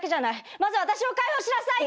まず私を解放しなさいよ。